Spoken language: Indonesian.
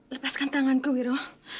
lepaskan tanganku wiro